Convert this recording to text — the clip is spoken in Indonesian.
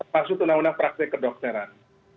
masuk undang undang praktek kedokteran